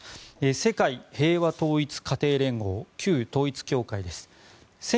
世界平和統一家庭連合旧統一教会です。